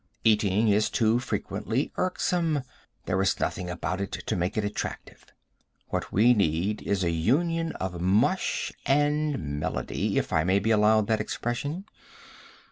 Eating is too frequently irksome. There is nothing about it to make it attractive. What we need is a union of mush and melody, if I may be allowed that expression.